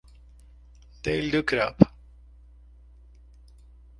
They looked up.